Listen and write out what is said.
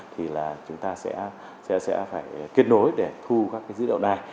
thì là chúng ta sẽ phải kết nối để thu các dữ liệu này